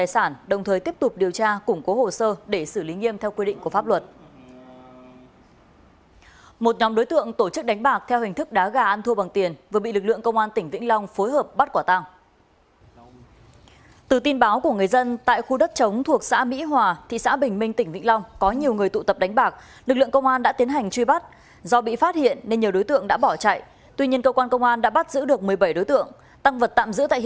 xin kính chào tạm biệt